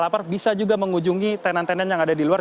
lapar bisa juga mengunjungi tenan tenan yang ada di luar